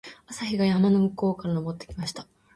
朝日が山の向こうから昇ってきました。